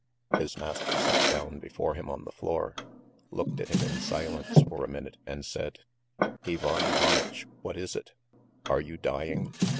His master sat down before him on the floor, looked at him in silence for a minute, and said: "Ivan Ivanitch, what is it? Are you dying?